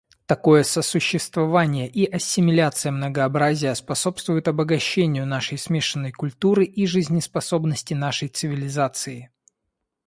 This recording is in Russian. Такое сосуществование и ассимиляция многообразия способствуют обогащению нашей смешанной культуры и жизнеспособности нашей цивилизации.